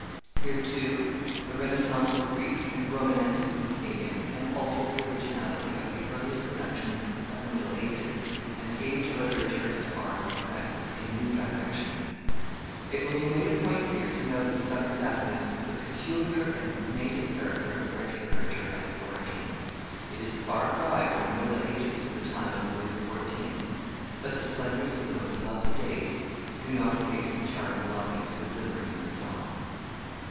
Here, too, the Renaissance of Greek and Roman antiquity came in, and altered the originality of the earliest productions of the middle ages, and gave to literature and to art in France a new direction. It will be made a point here to note with some exactness the peculiar and native character of French literature at its origin. It is a far cry from the middle ages to the time of Louis XIV.; but the splendors of the most lovely days do not efface the charm belonging to the glimmerings of dawn.